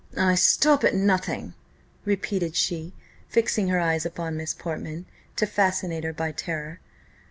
"I stop at nothing," repeated she, fixing her eyes upon Miss Portman, to fascinate her by terror.